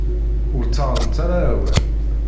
Ur ttaɣent ara awal.